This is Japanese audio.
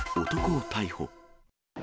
男を逮捕。